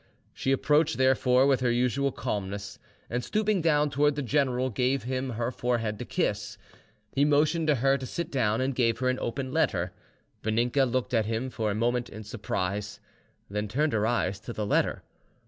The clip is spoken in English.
She approached, therefore, with her usual calmness, and, stooping down towards the general, gave him her forehead to kiss. He motioned to her to sit down, and gave her an open letter. Vaninka looked at him for a moment in surprise, then turned her eyes to the letter.